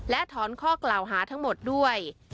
และถอนข้อกล่าวหาทั้งหมดด้วย